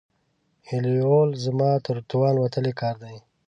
ایېلول زما تر توان وتلی کار دی.